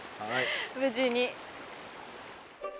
無事に。